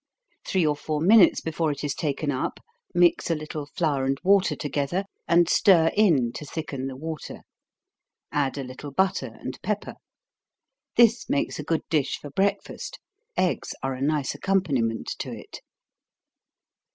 Three or four minutes before it is taken up, mix a little flour and water together, and stir in, to thicken the water; add a little butter and pepper. This makes a good dish for breakfast eggs are a nice accompaniment to it.